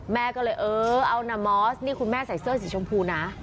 แม่ก็เลยเออเอานะมอสนี่คุณแม่ใส่เสื้อสีชมพูนะ